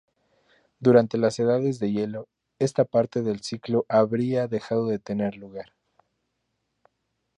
Durante las edades de hielo, esta parte del ciclo habría dejado de tener lugar.